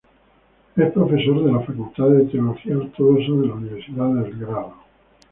Es profesor de la Facultad de Teología Ortodoxa de la Universidad de Belgrado.